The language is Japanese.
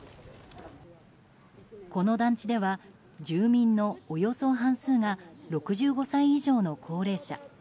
この団地では住民のおよそ半数が６５歳以上の高齢者。